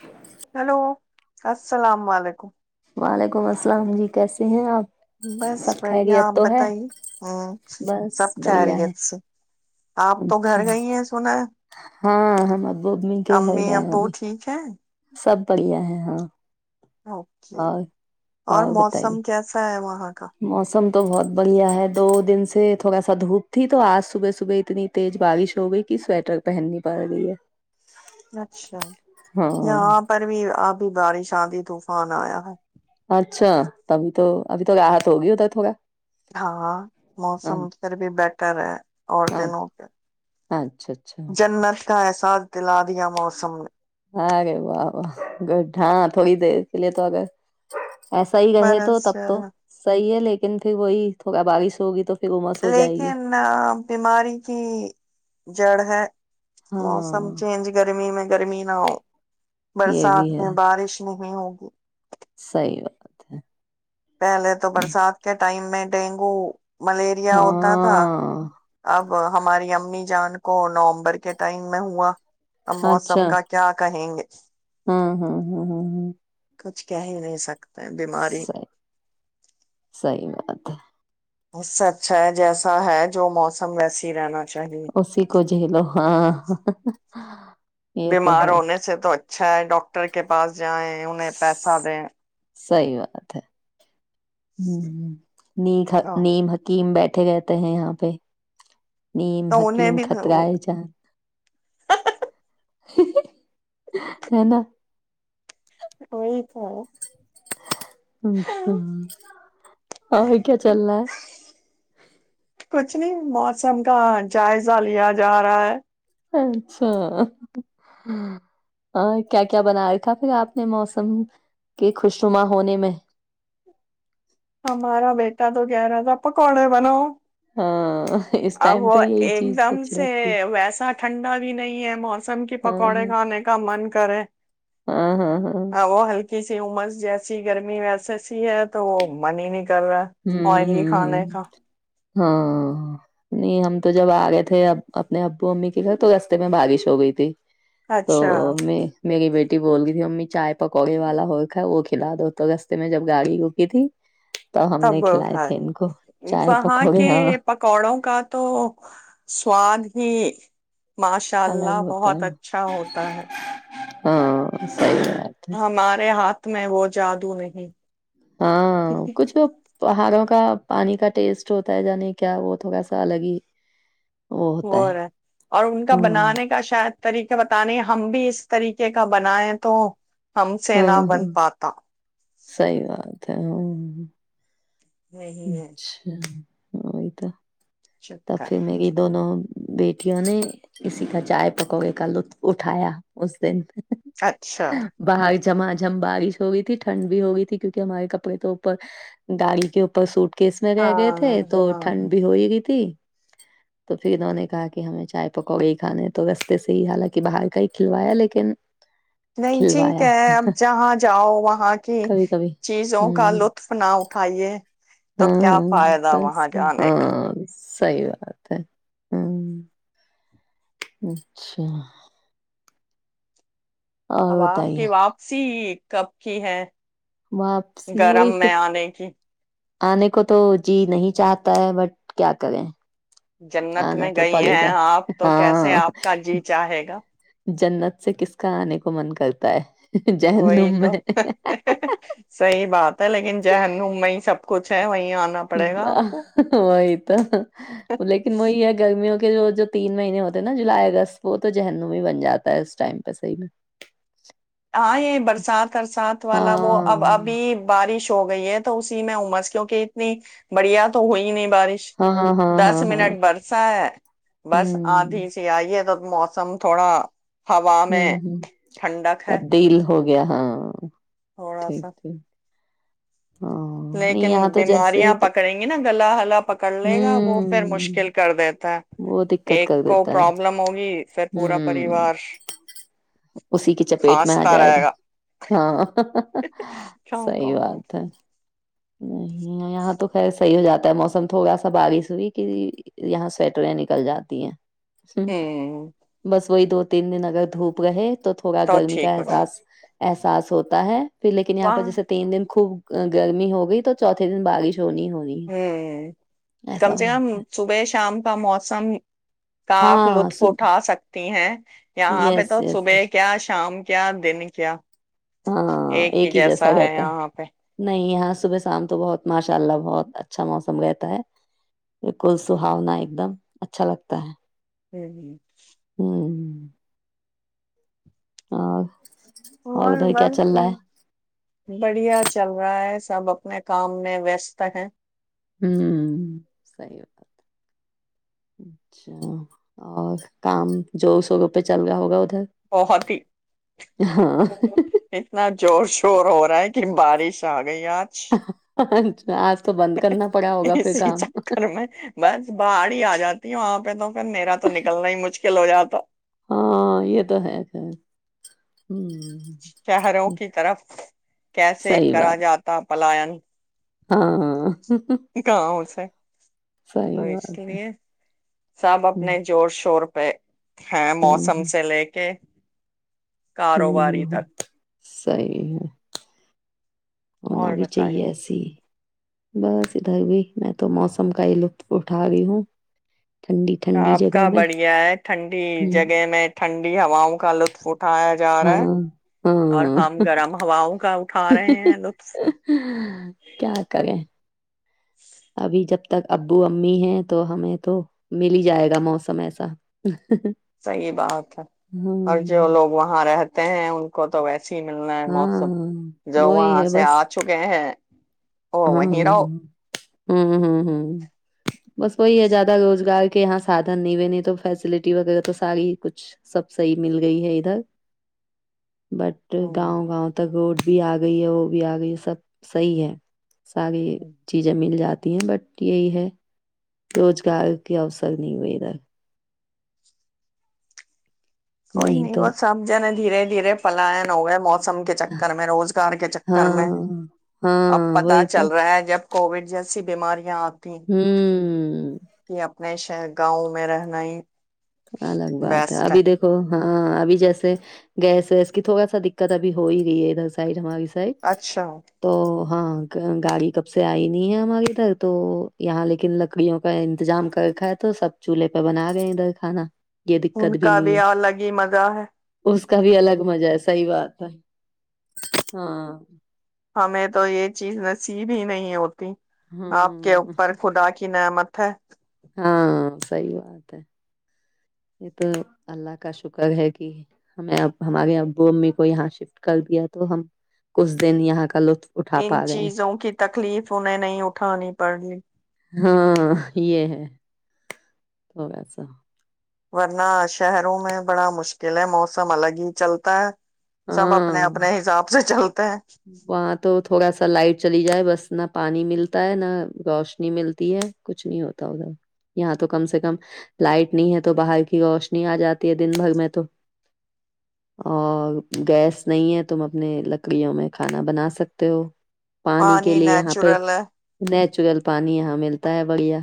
ہچ [unintelligible] ہیلو السلام علیکم وعلیکم السلام جی کیسے ہیں آپ بس سب بڑھیا خیریت آپ تو ہے بتائیے ہ بس سب بڑھیا ہے خیریت سے آپ تو اچھا۔ گھر گئی ہیں سنا ہے ہاں ہم ابو ابمی کے گھر امی گئے ہے ابو ابھی۔ ٹھیک ہیں سب۔۔۔ بڑھیا ہیں ہے ہاں۔ اوکے اور اور موسم کیسا ہے وہاں۔۔۔ کا موسم۔۔۔ تو بہت بڑھیا ہے۔ دو دن سے تھوڑا سا دھوپ تھی۔ تو آج صبح صبح اتنی تیز بارش ہو گئی کہ سویٹر پہننی پڑ گئی ہے۔ اچھا ہاں یہاں پر بھی اب۔۔۔ بارش اندھی طوفان آیا ہے۔ اچھا تبھی تو ابھی تو راحت ہوگی ادھر تھوڑا۔ ہاں ہاں، موسم پھر بھی بیٹر ہے اور ہاں، دنوں پہ۔ اچھا اچھا جنت۔۔۔ کا احساس۔۔۔ دلا دیا موسم نے۔ ارے واہ واہ گڈ ہا تھوڑی دیر کے لیے تو اگر۔ ایسا ہی رہے برس تو تب تو جایا۔ صحیح ہے لیکن۔۔۔۔ لیکن پھر وہی تھوڑا بارش ہوگی تو۔۔۔ پھر امس ہو جائے گی لیکن بیماری کی۔۔۔۔ جڑ ہے۔ ہاں موسم چینج گرمی میں۔۔۔ گرمی نہ ہو۔ یہ بھی برسات ہے میں بارش نہیں۔ [unintelligible] صحیح بات ہے۔ پہلے تو برسات کے ٹائم۔۔۔۔ میں ڈینگو۔۔۔۔ ملیریا ہوتا تھا۔ ہاں اب۔۔۔۔ ہماری امی جان کو نومبر کے ٹائم میں ہوا۔ اب موسم کا کیا کہیں گے۔ [unintelligible] ہمم ہمم ہمم ہممم۔ کچھ کہہ ہی نہیں سکتے۔۔۔۔ بیماری صحیح۔ صحیح بات ہے۔ اس سے اچھا ہے جیسا ہے جو موسم ویسے ہی رہنا چ۔۔۔ اس ہی کو جھیلو۔ ہاں۔ [unintelligible] تو بیمار ہے ہونے سے تو اچا۔۔۔ اچھا ہے ڈاکٹر کے پاس جیں انہیں پیسہ دیں صحی بات ہے ہ ہ نی تو نیم حکیم بیٹھ بیٹھے گتے ہیں یہاں پہ نیم انہیں حکیم بھی خطرائے جان ہے نا [unintelligible] یہ تو ہے [inaudible] اچھا اور کیا چل رہا ہے کچھ نہیں موسم کا جائزہ لیا جا رہا ہے اچھا ہ کیا کیا بنایا تھا پھر آپ نے موسم کے خوشنما ہونے میں ہمارا بیٹا تو گہ رہا تھا آپ کون ہے بنو ہ [unintelligible] ا وہ ایک دم سے ویسا ٹھنڈا بھی نہیں ہے موسم کی ہاں پکوڑے ہاں کھانے کا من کرے ہاں ہاں ہاں ا ہوں وہ ہلکا کسی عمرس جیسی گرمی ویس سی ہے تو وہ من ہی نہیں کر کر رہا آئلی ہی ہوں کھانے کا [unintelligible] ہاں نہیں ہم تو جب آ گئے تھے اپنے ابو امی کے گھر تو رستے میں بارش ہو گئی تھی تو اچھا میں [unintelligible] میری بیٹی بول گئی تھی امی چائے پکوڑے والا ہو وہ کھلا دو تو رستے میں جب گاڑی کوکی تھی تو ہم نے تب کھلائے ہے تھے ان کو چائے وہاں پکوڑے کے ہاں پکوڑوں کا تو سواد ہی ماشاء الگ اللہ ہوتا بہت ہے اچھا ہوتا ہے ہاں صحیح بات ہے ہمارے ہاتھ میں وہ جادوں نہیں ہاں کچھ پہاڑوں کا پانی کا ٹیسٹ ہوتا ہے نہیں کیا وہ تھوڑا سا الگ ہی ہوتا وہ ہے رہا اور ان کا ہاں، بنانے کا شاید [unintelligible] طریقے بتے ہم بھی اس طریقے کا بنائیں تو ہم سے ہاں نہ ہاں بن پاتا سی بات ہے ہاں ہوں ہ [unintelligible] نہیں ہے اچھا ہاں یہ تو تب چکر پھر میری دونوں بیٹیوں نے اسی کا چائے پکوڑے کا لطف اٹھایا اس دن اچھا [inaudible] جھما جھم بارش ہو گئی تھی ٹھنڈ بھی ہو گئی تھی کیونکہ ہمارے کپڑے تو اوپر گاڑی کے اوپر سوٹ کیس میں رہ گئے تھے ہاں تو ہاں ٹھنڈ بھی ہوئے گی ت تو پھر انہوں نے کہا کہ ہمیں چائے پکا گ ہی کھانے تو رستے سے ہی حالانکہ باہر کا ہی کھلوایا لیکن نہیں ٹھیک کھلوایا ہے اب جہاں جاؤ وہاں کی کبھی کبھی چیزوں کا ہوں لطف نہ اٹھائیے تو کیا ہاں فائدہ بس وہاں جانے کا ہاں صحی بات ہے ہ اچھا اب اور آپ بتائیے کے واپسی کب کی ہے واپسی وہی گرم پھر میں آنے کی آنے کو تو جی نہیں چاہتا ہے بٹ کیا کریں جنت آنا میں تو گئی پڑے ہیں گا آپ تو کیسے ہاں آپ کا جی چاہے گا جنت سے کس کا آنے کو من کرتا ہے وہی جہنم تو میں صحی بات ہے لیکن جن میں سب کچھ چ وہائی وہی تو لیکن وہی ہے گرمیوں جو تین مہینے ہوتے ہیں نا جولائی اگست وہ تو جہن بھی بن جاتا ہے اس ٹائم پہ صحیح میں ہاں یہ برسات ارسات والا وہ ہاں اب ابھی بارش ہو گئی ہے تو اسی میں عمرس کیوںکہ اتنی بڑھیا تو ہوئی نہیں بارش ہاں ہاں ہاں دس ہاں ہاں منٹ برسا ہے بس ہوں آدھی سے آئیے تو موسم تھوڑا ہوا میں ٹھنڈک ہے دل ہو گیا ہاں اوروڑا ٹھیک سا ٹھیک ہاں نہیں لیکن یہاں تو بیماریاں جیسے پ- پکڑیں گی نا گلا ہلا پکڑ لے گا وہ پھر مشکل ہوں کر دیتا ہے وہ دقت ایک کر کو دیتا ہے پروابلم ہوگی پھر پورا ہوں پریوار اسی کی چپیٹ میں آ کھانستا جائے رہے گا ہاں کیوں صی کیوں کیوں بات ہے نہیں یہاں تو خسے صحی ہو جاتا ہے موسم تو ہوگا سا بارش ہوئی کہ یہاں سویٹریں نکل جاتی ہیں ہوں بس وہی دو تین دن اگر دھوپ گے تو تھوڑا گرمی ٹھیک کا ہو رہا احساس احساس ہوتا ہے پھر لیکن یہاں واہ پر جیسے تین دین خوب ا گرمی ہوگی تو چوتے دن باریش ہوں کم ایسا ہو سے کم جاتا ہے صبح شام کا موسم کاپ ہاں لطف اٹھا سکتی ہیں یہاں پہ یس تو یس صبح کیا شام کیا دین کیا ہاں ایک ہی جیسا رہتا نہیں یہاں صبح سے شام تو بہت ماشاء اللہ بہت اچھا موسم رہتا ہے بالکل سہاونا ایک دم اچھا لگتا ہے ہوں ہ ہ [inaudible] ہاں اور بتائے کیا چل رہا ہے بڑھیا چل رہا ہے سب اپنے کام میں ویست ہیں ہ سی بات اچھا اور کام جو سوگ پہ چل رہا ہوگا ادھر بہت ہی ہاں اتنا جوش وو روح رہا ہے کہ بارش آگ گئی آج اچھا آج تو بند کرنا پڑا ہوگا پھر اسی کام چکر میں بس باہر ہی آ جاتی ہوں وہاں پہ تو پھر میرا تو نکلنا ہی مشکل ہو جاتا تو ہاں یہ تو ہے خیر ہمم شہروں کی طرف کیسے صحیح کرا بات جاتا پلائن [inaudible] ہاں گاؤ سے تو صحیح اس بات ہے لیے سب ہمم اپنے زور شور پ ہ ہمم موسم ہمم سے لے کے کاروباری تک صیح ہے ہونا اور بھی چاہیے بتائیے ای س بس ادھر بھی میں تو موسم کا ہی لطف اٹھا رہی ہوں ٹھنڈی ٹھنڈی آپ جگہ کا میں بڑھیا ہے ٹھنڈی ہمم جگہ میں ٹھنڈ ہاؤ کلو فٹ [unintelligible] ہاں ہاں ہم گرم ہواؤں کا اٹھا رہے ہیں لطف کیا کریں ابھی جب تک ابو امی ہیں تو ہمیں تو مل ہی جائے گا موسم ایسا صحی بات ہے اور جو ہمم لوگ وہاں رہتے ہیں ان کو تو ویسی ہی نہیں ملنا ہے موسم ہاں جب وہی وہاں ہے سے بس آ چکے ہیں وہ ہاں وہیں ہاں رہو ہاں ہوں ہ ہ بس وہی ہے ج [unintelligible] روزگار کے یہاں سادھن نہیں بنے تو فیسلٹی وغیرہ تو ساری کچھ سب صحی مل گئی ہے ادھر بٹ ہ گاؤں گاؤں ت گڈ بھی آ گئی ہے وہ بھی آ گئی ہے سب صحیح ہے ساری ہ چیزیں مل جاتی ہیں بٹ یہی ہے روزگار کے اوسر نہیں ویدا کوئی نہیں وہ سمج جنے دھیرے دھیرے پائن ہو گئے موس موسم کے چکر میں روزگار کے چکر میں ہاں اب ہاں پتا وہی تو چل رہا ہے جب کووڈ جیسی بیماریاں آتی ہوں [unintelligible] ہاں [unintelligible] کہ اپنے ش گاؤں میں رہنا ہی الگ بات ہے ابھی دیکھو ہاں ابھی جیسے گیس ویس کی تھوڑا سا دقت ابھی ہو ہی رہی ہے ادھر سائڈ ہماری سائ اچھا تو ہاں گاڑی کب سے آئی نہیں ہے ہمارے ادھر تو یہاں لیکن لکڑیوں کا انتظام کرکھا ہے تو سب چولہے پہ بنا گئے ادھر کھانا یہ ان دقت کا بھی نہیں ہے الگ ہی مزہ ہے اس کا بھی الگ مزہ ہے صحی بات ہے ہاں ہمیں تو یہ چیز نصیب ہی نہیں ہوتی آپ کے ہاں اوپر خدا کی نعمت اٹھ ہاں صی بات ہے یہ تو اللہ کا شکر ہے کہ ہمیں اب ہمارے ابو امی کو یہاں شفٹ کر دیا تو ہم کھ دن یہاں کا لطف اٹھا ان پا رہے ہیں چیزوں کی تک تکلیف انہیں نہیں اٹھانی پڑی ہاں یہ ہے تو ویسا ورنہ شہروں میں بڑا مشکل ہے موسم الگ ہی چلتا ہے سب اپنے ہاں اپنے حساب سے چلتے ہیں وہاں تو تھوڑا سا لائٹ چلی جائے بس نہ پانی ملتا ہے نہ روشنی ملتی ہے کچھ نہیں ہوتا ادھر یہاں تو کم سے کم لائٹ نہیں ہے تو باہر کی روشنی آ جاتی ہے دن بھر میں تو اور گیس نہیں ہے تم اپنے لکڑیوں میں کھانا بنا سکتے ہو پانی کے لیے یہاں پہ نیچورل ہے چگل پانی یہاں ملتا ہے بڑھیا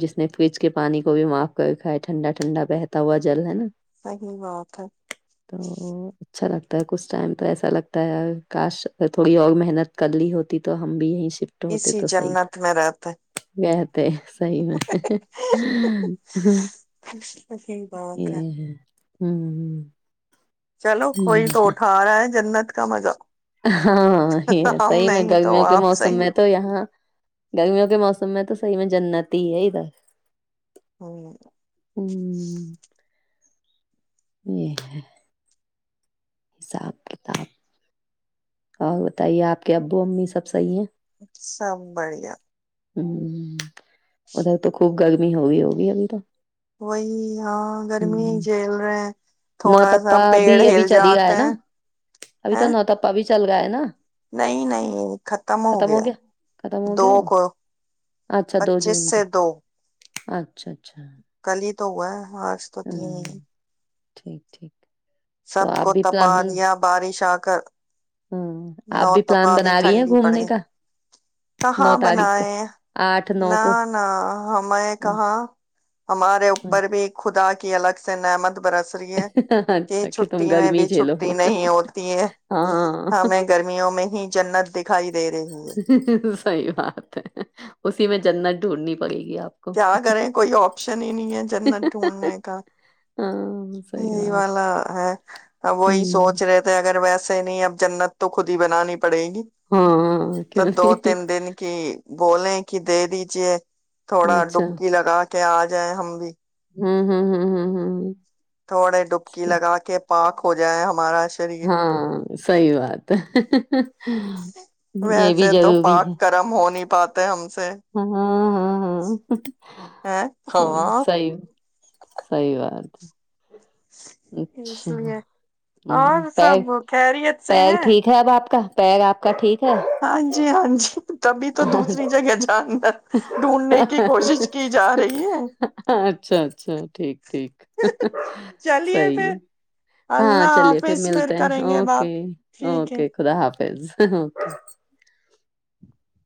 جس نے فریج کے پانی کو بھی معاف کر کھاائے ٹھنڈا ٹھنڈا بہتا ہوا جل ہے نا صحی بات ہے تا کچھ ٹائم تو ایسا لگتا ہے کاش تھوڑی اور محنت کر لی ہوتی تو ہم بھی یہیں سے شفٹ ہوتے اسی تو سی جنت میں رہتے تھا کہتے سی میں ہیں، صحیح بات ہے ہ ہ چلو کوئی تو اٹھا رہا ہے جنمات کا مجا ہاں ہی صحیح میں تو گرمیوں کے آپ موسم صحیح میں تو یہاں گرمیوں کے موسم میں تو صحیح میں جنت ہی ہے ادھر ہاں ہوں یہ ہے حساب کتاب اور بتائیے آپ کے ابو امی سب صحیح ہیں سب بڑھیا ہ ادھر تو خوب گرمی ہوگئی ہوگی ابھی تو وہی ہاں گرمی ہ ہی جھیل رہے ہیں تھوڑا سا نوتپا بھی پیڑ ابھی ہل چل ہی گیا جاتے ہے نا ہیں ابھی ہے تو نوتپا بھی چل گا ہے نا نہیں نہیں ختم ہو گیا ختم ہو دو گیا وہ کو اچھا دو پچیس جون سے کو دو اچھا اچھا کل ہی تو ہوا ہے آج تو تین ہوں ہی ٹھیک ٹھیک تو سب آپ کو بھی تپا پلان دیا بارش آ کر ہوں آپ نو بھی پلان تپا بنا رہی ہیں ٹھنڈی پڑ گئی گھومنے کا نو کہاں تاریخ کو بنائیں آٹھ نو نہ کو نہ ہمیں اچھا کہاں ہمارے اوپر بھی خدا کی الگ سے نعمت برت اچھا کہ تم گرمی ج لو چھٹی نہیں ہوتی ہے ہاں ہمیں گرمیوں میں ہی جنت د دکھائی دے رہے ہے صحی بات ہے اسی میں جنت ڈھونڈنی پڑے گی آپ کو کیا کریں کوئی آپشن ہی نہیں ہے جنمت ڈھونڈنے کا ہاں صحیح یہی بات والا ہے اب وہی ہوں سوچ رہے تھے اگر ویسے نہیں اب جنت تو خود ہی بنانی پڑے گی ہاں تو کیوں دو نہیں تین دن کی بولیں کہ دے دیجیے تھوڑا اچھا ڈبکی لگا کہ آ جائیں ہم بھی ہاں ہاں ہاں ہاں ہاں ہ [unintelligible] تھوڑے ڈبکی لگا کے پاک ہو جائے ہمارا شریر ہاں سی بات ہے یہ بھی ویسے تو ضروری ہے پاک کرم ہو نہیں پاتے ہم سے ہ ہاں ہاں ہاں ہیں سی ہاں سی سی بات کررد [unintelligible] اس لیے اور ہمم سب پیر خریت سے ہیں پگ آپ کا ٹھیک ہے ہاں جی ہاں جی تبھی تو دوسری جگہ جاننا ڈھونڈنے کی کوشش کی جا رہی ہے اچھا اچھا ٹھیک ٹھیک چلیے صحیح ہے پھر ہاں اللہ چلیے پھر حافظ ملتے ہیں کریں گے اوکے بات ٹھیک ہے اوکے خدا حافظ ک [unintelligible]